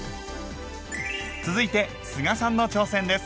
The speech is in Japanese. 続いて須賀さんの挑戦です！